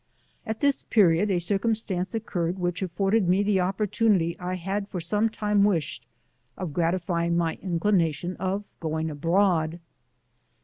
At this period a circumstance occured which aS'orded me the opportunity I had for some time wished, of gratifying my ioclinatioa of going abroad.